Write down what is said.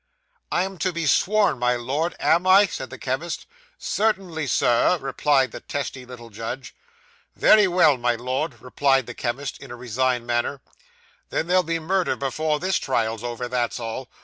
'I am to be sworn, my Lord, am I?' said the chemist. 'Certainly, sir,' replied the testy little judge. 'Very well, my Lord,' replied the chemist, in a resigned manner. 'Then there'll be murder before this trial's over; that's all.